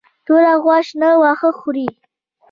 توره غوا شنه واښه خوري.